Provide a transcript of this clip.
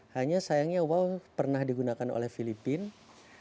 hanya sayangnya wow pernah digunakan oleh filipina